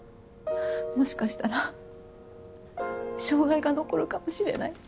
もしかしたら障がいが残るかもしれないって。